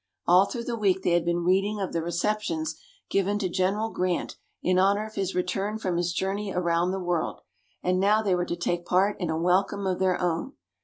All through the week they had been reading of the receptions given to General Grant in honor of his return from his journey around the world, and now they were to take part in a welcome of their own.